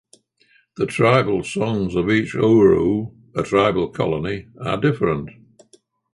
The tribal songs of each ‘Ooru’ (a tribal colony) are different.